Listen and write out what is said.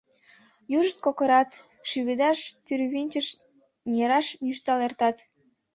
Южышт кокырат, шӱведаш тӱрвынчыш нераш нӱштал эртат.